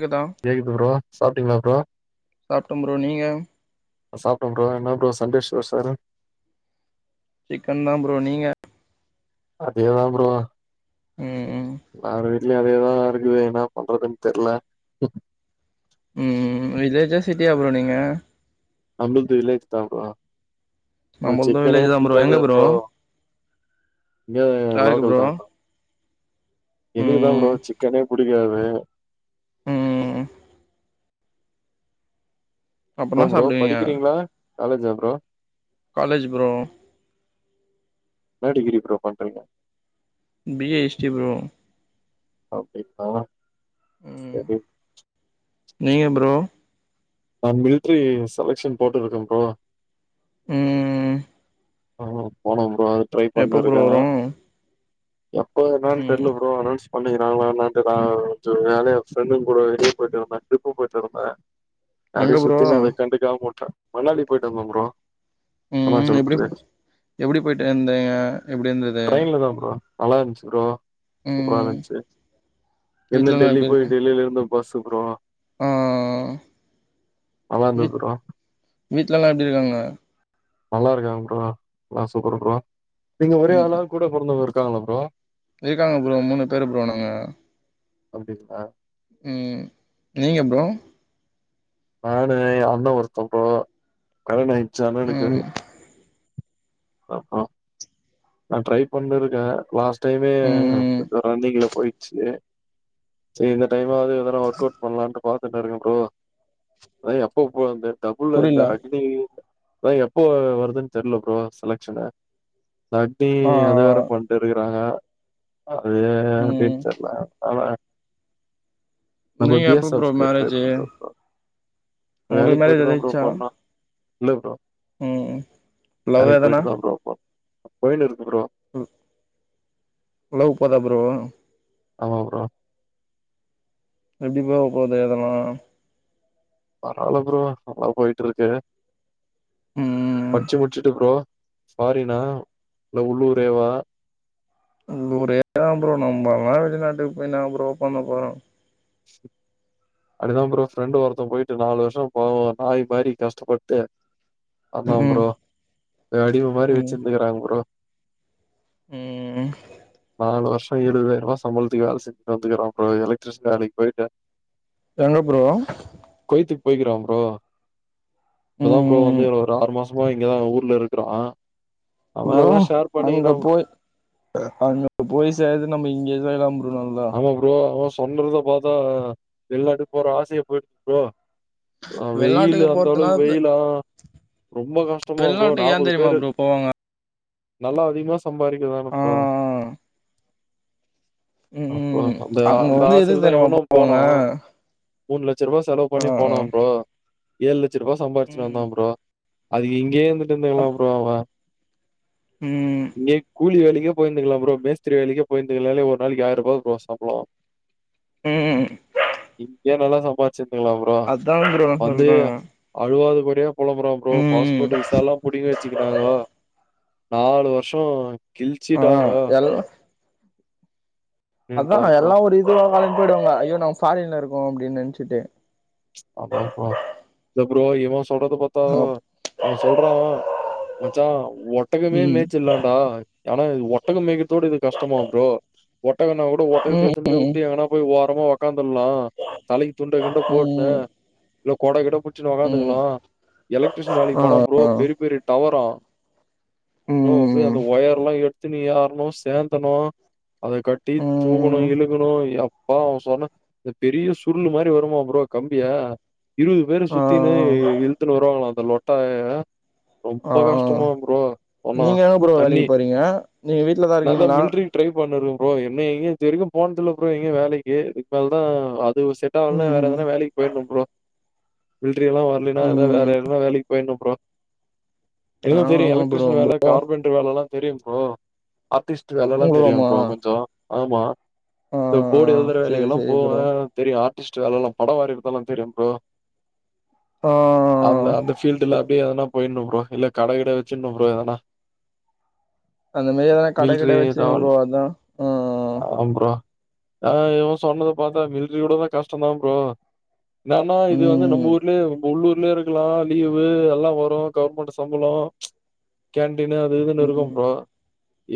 கேக்குதா கேக்குது ப்ரோ சாப்பிட்டீங்களா ப்ரோ சாப்ட்ட ப்ரோ நீங்க சாப்ட்டே ப்ரோ என்னா ப்ரோ சண்டே ஸ்பெஷரு சிக்கன் தா ப்ரோ நீங்க அதேத ப்ரோ ம் ம் ல்லாரு வீட்டுலேயு அதேத இருக்குது என்னா பண்றதுன்னு தெர்ல ம் ம் இதேஜே சிட்டியா ப்ரோ நீங்க நம்மளது வில்லேஜ் தா ப்ரோ ஒரு நம்மள்து சிக்கனே வில்லேஜ் தா புடிக்காது எங்க ப்ரோ இங்கே இது லோக்கல் தா ப்ரோ எனக்கு தா ப்ரோ ம் சிக்கனே புடிக்காது ம் ம் ம் அப்ப அப்பற என்னா ப்ரோ சாப்டுவீங்க படிக்கிறீங்களா காலேஜ் ஜா ப்ரோ காலேஜ் ப்ரோ என்ன டிகிரி ப்ரோ பண்றீங்க பி எ ஹிஸ்ட்ரி ப்ரோ அப்டிப்பா ம் செரி நீங்க ப்ரோ நா மிலிட்ரி செலக்ஷன் போட்டுருக்கேன் ப்ரோ ம் ஆ போனோ ப்ரோ அது ட்ரை எப்போ பண்ணினு ப்ரோ வரு இருக்காறாங்க எப்ப என்னான் ம் தெர்ல ப்ரோ அனொன்ஸ் பண்றிங்களா இல்ல என்னான்ட்டுதா கொஞ்சொ வேலையா ஃப்ரெண்டுங்க கூட வெளிய போய்ட்டு இருந்த ட்ரிப் போய்ட்டு இருந்த எங்க அப்டியே ப்ரோ சுத்திக்கினு அத கண்டுக்காம உட்டா மணாலி போயிட்டு வந்தோ ப்ரோ ம் ஹிமாச்சல் எப்டி போ பிரதேஷ் எப்டி போய்ட்டு இருந்திங்க எப்டி இருந்தது ட்ரைன்லதா ப்ரோ நல்லா இருன்ச்சு ப்ரோ சூப்பரா ம் இருன்ச்சு என்ன வீட்லல்லா டெல்லி எப்டி போய் இருக்கு டெல்லில இருந்து பஸ் ப்ரோ ஆ நல்லா இருந்தது ப்ரோ கா வீட்லலா எப்டி இருக்காங்க நல்லா இருக்காங்க ப்ரோ எல்லா சூப்பர் ப்ரோ நீங்க ஒரே ம் அளவு கூட பிறந்தவங்க இருக்காங்களா ப்ரோ இருக்காங்க ப்ரோ மூணு பேர் ப்ரோ நாங்க அப்டிங்ளா ம் நீங்க ப்ரோ நானு எ அண்ண ஒருத்த ப்ரோ கல்யாண ஆயிடுச்சு அண்ணனுக்கு ம் ஆ ஹா நா ட்ரை பண்ணின்ருக்க லாஸ்ட் டைமே ம் கொஞ்சொ ரன்னிங்ல போயிச்சு செரி இந்த டைம்மாவது எதனா ஒர்க் அவுட் பண்ணலான்ட்டு பாத்துட்டு இருங்க ப்ரோ அது எப்ப போறது டபுள் இந்த புரில அக்னி அதான் எப்போ வருதுன் தெர்ல ப்ரோ செலக்ஷனு பாட்டி ஆ அது வேற பண்ட்டு இருக்குறாங்க அது ம் எப்டின் தெர்ல பாக்லாமே நம்ப நீங்க இப்டியே எப்போ ப்ரோ சப்ஸ்கிரைப் டிரை மேரேஜு பண்ற ப்ரோ உங்களுக்கு வேலைக் மேரேஜ் பொய்ட்டுதா ப்ரோ ஆயிடுச்சா பண்ணா ப்ரோ இல்ல ப்ரோ ம் லவ் வேலைக் எதனா பொய்ட்டுதா ப்ரோ பாக் பொயினு இருக்கு ப்ரோ ம் புலவ் போதா ப்ரோ ஆமா ப்ரோ ரெண்டுமே உக்காந்து எழுதணு பரவால்ல ப்ரோ நல்லா பொய்ட்டிருக்கு ம் படிச்சு முடிச்சிட்டு ப்ரோ சாரிணா நீங்க உள்ளூரேவா உள்ளூரேதா ப்ரோ நம்மல்லா வெளிநாட்டுக்கு போய் என்ன ப்ரோ பண்ண போறோ அப்டிதா ப்ரோ ஃப்ரெண்டு் ஒருத்த பொய்ட்டு நாலு வருஷொ போம் நாய் மாரி கஷ்டப்பட்டு ஆமா ம் ப்ரோ ஏ அடிம மாரி வெச்சிருந்துகறாங் ப்ரோ ம் ம் நாலு வருஷொ இருவதாயிருவா சம்பளத்துக்கு வேல செஞ்சுட்டு வந்துக்குறா ப்ரோ எலக்ட்ரிஷன் வேலைக் பொய்ட்டு சொல்லு ப்ரோ கொய்த்துக்கு பொய்க்கிறா ப்ரோ இப்பதா ப்ரோ ம் வந்து ஒரு ஆறு மாச சும்மா இங்கதா ஊர்ல இருக்கிறா ப்ரோ அங்க ப்ரோ. போய் அ அங்க போய் செய்றத நம்ம இங்கியே செய்யலா ப்ரோ நல்லா ஆமா ப்ரோ அவ சொன்னறத பாத்தா வெளிநாட்டுக் போற ஆசையே பொய்ரு ப்ரோ அ வெயிலு வெளிநாட்டுக்கு அந்த போறதுனால அளவுக் வெயிலா ரொம்ப கஷ்டமா ப்ரோ வெளிநாட்டுக்கு ஏன் நாப்பது தெரியுமா பேரு ப்ரோ போவாங்க நல்லா அதிகமா சம்பாரிக்கலா ஆ ப்ரோ ம் அப்ப ம் அந்த அங்க அந்த வந்து ஆசையில எதுக்கு தா தெரியுமா இவனும் போவாங்க போனா மூணுலட்ச ரூபா செலவு பண்ணி ஆ போனோ ப்ரோ ஏழு லட்ச ரூபா சம்பாரிச்சுனு வந்தா ம் ப்ரோ அதுக்கு இங்கே இருந்துட்டு அம் இருந்துர்களாம் ப்ரோ அவன் ம் இங்கே கூலி வேலைக்கே போய் இந்துக்லாம் ப்ரோ மேஸ்திர வேலைக்கு போயிருந்துக்கால ஒரு நாளைக்கு ஆயிரூ எவ்ளோ ப்ரோ சம்பளோ ம் இங்கே நல்லா சம்பாச்சிருந்தங்களாம் ப் ரோ அதா ப்ரோ நா வந்து சொல்றே அழுவாதபடியா பொலம்புறா ப்ரோ ம் பாஸ்போர்ட் விசாலா புடிங்கி வ ச்சிகினாங்கோ நாலு வருஷோ ஆ கிழச்சிட்டாங்கோ எல் அப்டின்ட்டா அதான ப்ரோ எல்லா ஒரு இதுவா கலம் போய்டுவாங்க ஐயோ நம்ம ஃபாரின்ல இருக்கோ அப்டின் நெனச்சிட்டு ஆமா ப்ரோ இல்ல ப்ரோ இவ சொல்றத பாத்தா அப் அவன் சொல்றா மச்ச ஒட்டகமே ம் மேச்சிலாடா ஏனா இது ஒட்டகோ மேக்கிரதோடு இது கஷ்டமா ப்ரோ ஒட்டகனா கூட ஒட்டகத்த ம் எத்துன்னு போய் உட்டு எங்கன்னா போய் ஒரமா ஒக்காந்துட்லா தலைக்கு து போட்னு ம் இல்ல கொட கிட புச்சின்னு ம் ம் ஒக்காந்துக்கலா எலக்ட்ரிஷன் வேலைக்கு போனா ப்ரோ ஆ பெரி பெரிய டவரா ப்ரோ அப்டியே ம் அந்த ஒயர்ல எடுத்துனு ஏர்னு சேந்தனு அத கட்டி தூக்கணு ம் இழுக்கணு எப் பா அவன் சொர்ணு த பெரிய சுருளு மாரி வருமா ப்ரோ கம்பியே இருவது பேரு சுத்தினு இழுத்துன்னு வருவாங்கலா அந்த லொட்டாய அ ஆ ரொம்ப ஆ கஷ்டமா ப்ரோ சொன்னா நீங்க எங்க ப்ரோ தண்ணி வேலைக்கு போறீங்க நீங்க வீட்லதா நாதா இருக்கீங்களா மில்ட்ரி ட்ரை பண்ணுருக்க ப்ரோ இன்னுஎங்கேயு இது வரைக்கு போனது இல்ல ப்ரோ எங்கியு வேலைக்கு இதுக்கு மேல தா அதுவு செட் டாவலனா வேற ம் எதனா வேலைக்கு போயிட்னு ப்ரோ மில்ட்ரி எல்லா வரலேனா எத வேற ம் எதனா வேலைக்கு போயிட்னு ப்ரோ ஆ எனக்கு தெரியு ஆமா ப்ரோ எலக்ட்ரிஷன் வேல ப்ரோ கார்பன் டு வேலலா தெரியு ப்ரோ ஆர்டிஸ்ட்டு வேலலா தெரியு உங்களுக்குமா ப்ரோ கொஞ்சோ ஆமா ஆ இப்ப போடு எழுதுர சேரி சேரி வேலைக்கலாபோவ ப்ரோ தெரியு ஆர்டிஸ்ட்டு வேலலா படோ வரைறதெல்லா தெரியும் ப்ரோ ஆ அநங அந்த ஃபீல்டு்ல அப்டியே எதனா போய்ட்னு ப்ரோ இல்ல கட கிட வெச்சிட்னு ப்ரோ எதனா அந்த மாரி எதனா கட கிட வெச்சின்னு ப்ரோ அதா ஆ ஆ ப்ரோ ஆ இவன் சொன்னத பாத்தா மில்ட்ரி கூட கஷ்டோதா ப்ரோ என்னானா இது வந்து நம்ம ம் ஊர்லே உள்ளூர்லே இருக்கலா லீவு எல்லா வரு கவர்மெண்ட்டு சம்பலோ கேன்டீனு அது இதுனு இருக்கு ம் ப்ரோ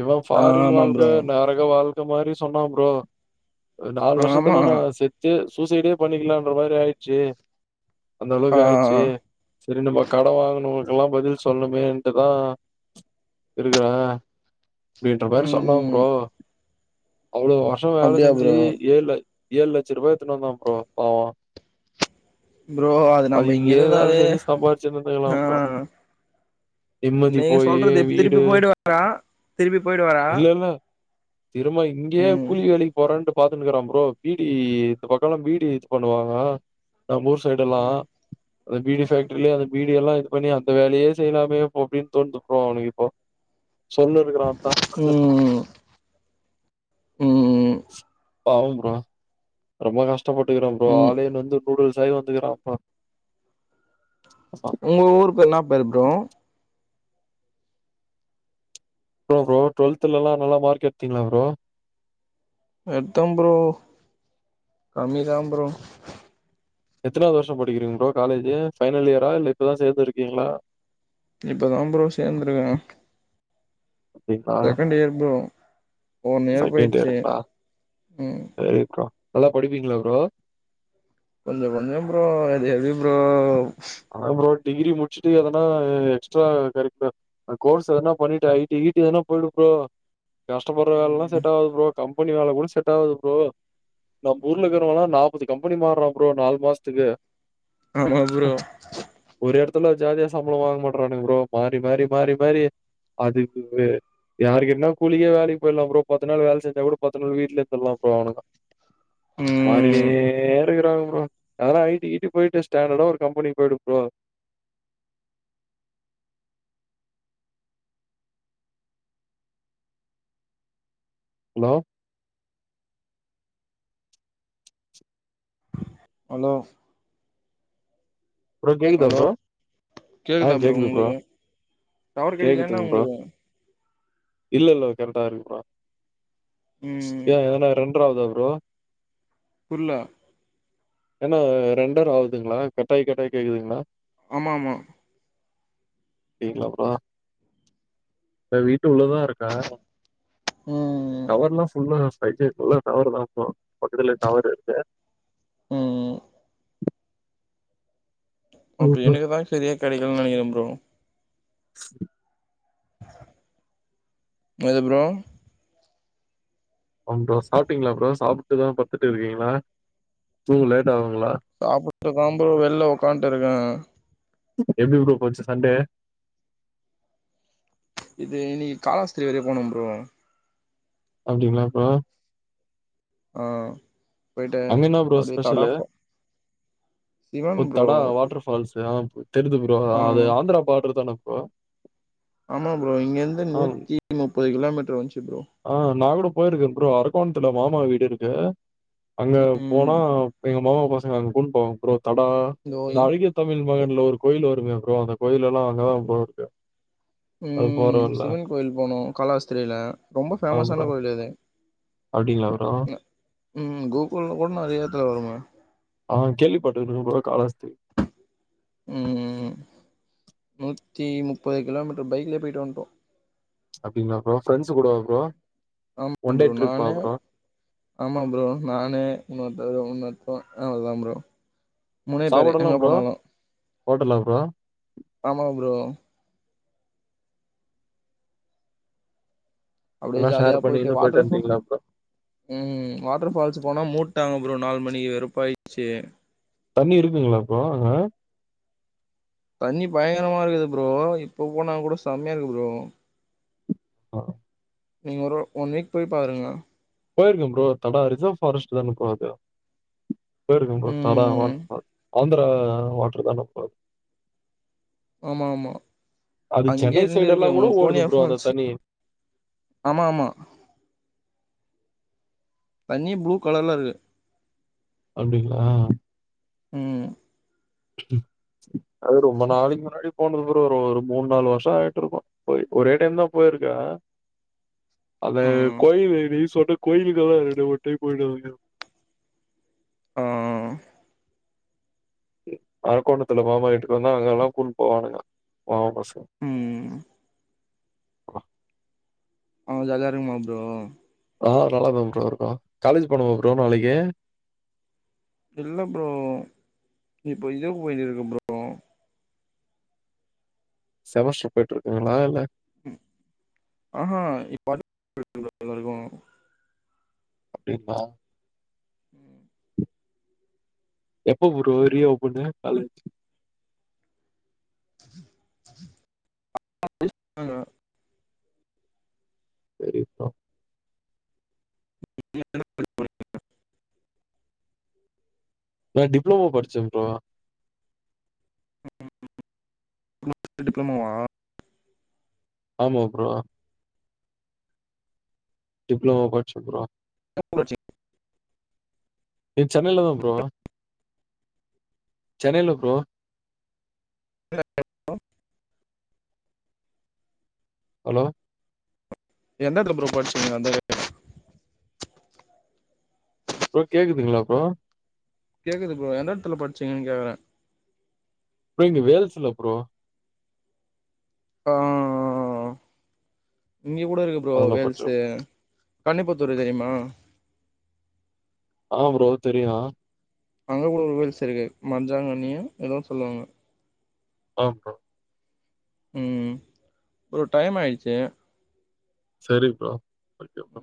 இவ ஆ ஃபாரின் ஆமா வாழ்க்க ப்ரோ நரக வாழ் க்க மாரி சொன்னா ப்ரோ நாலு ஆமா வருஷத்துல நா செத்து சூ சைடே பண்ணிக்கலான்ற மாரி ஆயிச்சி அந்த ஆ அளவுக்கு ஆயிச்சி சேரி நம்ம கடன் வாங்குனவுங்களுகுலா பதில் சொல்னுமேன்ட்டுதா இருக்கற அப்டின்ற மாரி சொன்னா ம் ப்ரோ அவ்ளோ டொர் வேல அப்டியா செஞ்சி ப்ரோ ஏழுல ஏழு லட்ச ரூபா எடுத்துன்னு வந்தா ப்ரோ பாவோ ப்ரோ அது நம்ம அதுக்கு இங்க இங்கே வேல இருந்தாவே செஞ்சி சம்பாரிச்சினு இருந்துக்கலா ஆ ப்ரோ நிம்மதி நீங்க போயி சொல்றது இப்ப வீடு திருப்பி போயிடுவாரா திருப்பி போயிடுவாரா இல்ல இல்ல திரும்ப இங்கேயே ம் கூலி வேலைக்கு போறோன்டு பாத்துன்னுக்கிறா ப்ரோ பீடி இந்த பக்கோலா பீடி பண்ணுவாங்க நம்ம ஊர் சைடல ம் அந்த பீடி பேக்ட்ரில அந்த பீடி எல்லா எடுத் பண்ணி அந்த வேலையே செய்லாமே இப்போ அப்டின் தோனுது ப்ரோ அவுனுக் இப்போ சொல்னு இருக்குறா ஆத்தா ம் ம் பாவோ ப்ரோ ரொம்போ கஷ்டபட் ருக்றா ப்ரோ ம் ஆளே நொந்து நூடுல்ஸ் ஆயி வந்துக்றாப்பா ஆமா உங்க ஊருக்கு என்னா பேரு ப்ரோ அப்றோ ப்ரோ டுவல்த்துலலா நல்லமார்க் எடுத்தீங்களா ப்ரோ எட்த்த ப்ரோ கம்மி தா ப்ரோ எத்தனாவ்து வருசோ படிக்கிறீங்க ப்ரோ காலேஜ்ஜு பைனல் இயரா இல்ல இப்பதா சேந்து இருக்கீங்ளா இப்பதா ப்ரோ சேந்த்ருகே அப்டிங்களா? Second year bro one year second போயிடுச்சு இயருங்ளா ம் [unintelligible] நல்லா படிப்பீங்களா ப்ரோ கொஞ்சோ கொஞ்சோ ப்ரோ எது ப்ரோ ஆனா ப்ரோ டிகிரி முட்ச்சுட்டு எதனா எக்ஸ்ட்ரா கரிக்குலர் அ கோஸ் எதனா பண்ணிட்டு ஐ டி கிய் டி எதனா போய்டு ப்ரோ கஷ்டபடுற வேலல்லா ம் செட் ஆவாது ப்ரோ கம்பெனி வேல கூட செட் ஆவாது ப்ரோ நம் ம் ஊர்லகிறவல்லா நாப்பது கம்பெனி மாற்ரா ப்ரோ நாலு மாசத்துக்கு ஆமா ப்ரோ ஒரு இடத்துல ஜாலியா சம்பளோ வாங்க மாட்றானுங்க ப்ரோ மாறி மாறி மாறி மாறி அது அடுத்தது யாருகிட்ன்னா கூலிக்கே வேலைக்கு போயிட்லா ப்ரோ பத்து நாள் வேலை செஞ்சா கூட பத்து நாள் வீட்லே இருந்துட்லா ப்ரோ அவ்னுங்க மாறினே ம் இருக்றாங்க ப்ரோ எதனா ஐ டி கிட்டி போயிட்டு ஸ்டாண்டர்டா ஒரு கம்பெனி போய்டு ப்ரோ ஹலோ ஹலோ ப்ரோ கேக்குதா ஹலோ ப்ரோ ஆ கேக்குதா ப்ரோ கேக்குது உங்ளுக்கு டவர் கெடைக்லையா என்ன கேக்குதுங்க ப்ரோ உங்ளுக்கு இல்ல இல்ல கரெக்டா இருக்குபா ம் ஏ ஏதனா ரெண்டர் ஆவுதா ப்ரோ புர்ல என்ன ரெண்டர் ஆவுதுங்ளா கட்டாயி கட்டாயி கேக்குதுங்ளா ஆமா ஆமா தெர்ல ப்ரோ இப்ப வீட்டு உள்ளதா இருக்கே ம் ம் டவர்ல்லா ஃபுல்லா ஃபை ஜேப் ஃபுல்லா டவர் தா ப்ரோ பக்கத்துலே டவர் இருக்கு ம் ம் அப்போ எனக்குதா சரியா கெடைக்கல நெனைக்கிறே ப்ரோ [unintelligible] ஏது ப்ரோ அப்றோ சாப்ட்டீங்களா ப்ரோ சாப்ட்டு தா பட்த்துட்டு இருக்கீங்ளா தூங்க லேட் ஆவுங்ளா சாப்பிட்டு தா ப்ரோ வெள்ள உ்க்காந்ட்டு இருக்கே எப்டி ப்ரோ போச்சு சண்டே இது இன்னைக் காலாஸ்திரி வரை போனு ப்ரோ அப்டிங்ளா ப்ரோ ஆ போயிட்டு அங்க என்னா ப்ரோ அப்டியே தடா ஸ்பெஷலு ஃபா சிவன் ஓ ப்ரோ தடாவா வாட்டர் ஃபால்ஸூ ஆ பு தெரிது ப்ரோ ஆ அது ஆந்திரா பார்டர் தான ப்ரோ ஆமா ப்ரோ இங்க இருந்து ஆ நூத்தி முப்பது கிலோமீட்டர் வந்ச்சு ப்ரோ ஆ நா கூட போயிருக்கே ப்ரோ அரக்கோண்த்துல மாமா வீடு இருக்கு அங்க போனா ம் எங்க மாமா பசங்க அங்க கூட்ன் போவாங் ப்ரோ தடா இதோ இந்த அழகிய தமிழ் மகன்ல ஒரு கோயில் வருமே ப்ரோ அந்த கோயிலெல்லா அங்கதா ப்ரோ இருக்கு அது போற ம் வழில சிவன் கோயில் போனோ காலாஸ்திரியில ரொம்ப ஆ ஃபேமஸான ப்ரோ கோயிலிது அப்டிங்களா ப்ரோ ம் ம் கூகுள்ல கூட நெறைய எட்த்துல வருமே ஆ கேள்விப்பட்டு இருக்கேன் ப்ரோ காலாஸ்த்திரி ம் நூத்தி முப்பது கிலோமீட்ரு பைக்லே போய்ட்டு வந்ட்டோ அப்டிங்ளா ப்ரோ ஃப்ரெண்ஸு கூடவா ப்ரோ ஆமா ஒன் டே ப்ரோ ட்ரிப்பா நானு ப்ரோ ஆமா ப்ரோ நானு இன்னோர்த்த [unintelligible] இன்னோர்த்த அவள்தா ப்ரோ மூனே பேரு சாப்பாடெல்லா எங்க ப்ரோ போனாலு ஹோட்டலா ப்ரோ ஆமா ப்ரோ அப்படியே எல்லா ஜாலியா ஷேர் போயிட்டு பண்ணிக்கினு வாட்ருஃபா வந்ட்டீங்களா ப்ரோ ம் வாட்டர் ஃபால்ஸு போனா மூட்டாங்க ப்ரோ நாலு மணிக்கு வெறுப்பாயிடுச்சு தண்ணி இருக்குங்களா ப்ரோ அங்க தண்ணி பயங்கரமா இருக்குது ப்ரோ இப்ப போனா கூட செம்மையா இருக்கு ப்ரோ ஆ நீங்க ஒரு ஒன் வீக் போய் பாருங்க போயிருக்கே ப்ரோ தடா ரிசவ் ஃபாரஸ்ட் தான ப்ரோ அது போயிருக்க ப்ரோ தடா ம் வாட்ருபால்ஸ் ஆந்தரா வாட்ரு தான ப்ரோ அத் ஆமா ஆமா அங்கியே சென்னை ரெண்டிருக்கு சைடெல்லாம் கூட ஒன்னு ஓடுது கோனியா ப்ரோ அந்த ஃபால்ஸ் தண்ணி. ஆமா ஆமா தண்ணி ப்ளூ கலர்ல இருக்கு அப்டிங்ளா ம் ம் அது ரொம்ப நாளைக்கு முன்னாடி போனது ப்ரோ ஒரு ஒரு மூணு நாலு வருஷோ ஆயிட்டுருக்கு போய் ஒரே டைம்தா போயிருக்கே அந்த ம் கோயிலு நீ சொன்ன கோயிலுக்கல்லா ரெண்டு மூண் டைம் போய்ட்டு வந்துருக்க அ அ அ அரக்கோணத்துல மாமா வீட்டுக்கு வந்தா அங்கல்லா கூட்ன் போவானுங்க மாமா பசங் ம் ஆ ஜாலியா இருக்குமா ப்ரோ ஆ நல்லாதா ப்ரோ இருக்கு காலேஜி போனுமா ப்ரோ நாளைக்கு இல்ல ப்ரோ இப்போ இது போய்னிருக்கு ப்ரோ செமஸ்ட்ரு போயிட்ருக்குங்களா இல்ல ஆஹா இப்பதுக் அப்டிங்ளா எப்ப ப்ரோ ரீ ஓப்பனு காலேஜ் ஆங்க செரி ப்ரோ [unintelligible] நா டிப்ளோமோ படிச்சே ப்ரோ ம் [unintelligible] டிப்ளமோவா ஆமா ப்ரோ டிப்ளோமோ பட்ச்ச ப்ரோ [unintelligible] நீ சென்னையிலதா ப்ரோ சென்னையில ப்ரோ [inaudible] ஹலோ எந்த எடத்துல ப்ரோ படிச்சீங்க வந்ததுல இருந்து ப்ரோ கேக்குதுங்களா ப்ரோ கேக்குது ப்ரோ எந்த எடத்துல படுச்சீங்கீன்னு கேக்குறே அப்ரோ இங்க வேலஸ்ல ப்ரோ ஆ ஒ ஓ இங்க கூட இருக்கு ப்ரோ அதுல படிச்சே வேல்ஸ்சு‌ கன்னிப்பத்தூரு தெரியுமா ஆமா ப்ரோ தெரியு அங்க கூட ஒரு வேல்ஸ் இருக்கு மஞ்சாங்கண்ணியோ எதோ சொல்லுவாங்க ஆம் ப்ரோ ம் ஒரு டைம் ஆயிடுச்சு சரி ப்ரோ ஓகே பா